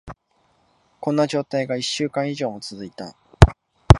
こんな状態が一週間以上も続いた。